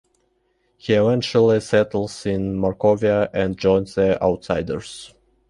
He eventually settles in Markovia and joins the Outsiders.